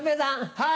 はい。